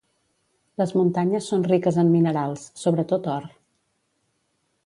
Les muntanyes són riques en minerals, sobretot or.